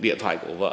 những mối quan hệ